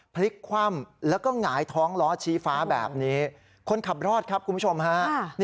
พลิกคว่ำแล้วก็หงายท้องล้อชี้ฟ้าแบบนี้คนขับรอดครับคุณผู้ชมฮะ